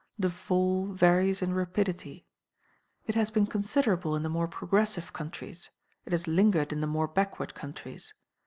The fall varies in rapidity. It has been considerable in the more progressive countries; it has lingered in the more backward countries.